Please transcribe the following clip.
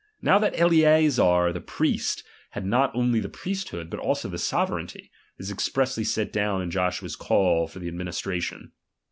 Now, that Eleazar the priest had not only the priesthood, but also the sovereignty, is expressly set down in Joshua's call to the administration.